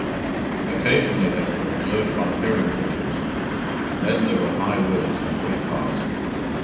Occasionally they were observed by the herring fishers, and then there were high words and free fights.